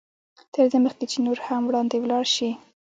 تر دې مخکې چې نور هم وړاندې ولاړ شئ.